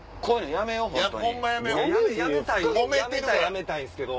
やめたいはやめたいんすけど。